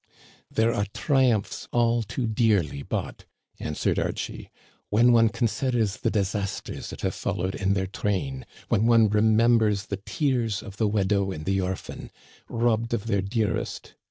" There are triumphs all too dearly bought," answered Archie, " when one considers the disasters that have fol lowed in their train, when one remembers the tears of the widow and the orphan, robbed of their dearest